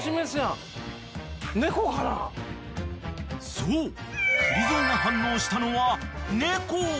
［そうくり蔵が反応したのは］